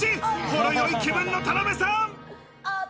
ほろ酔い気分の田辺さん！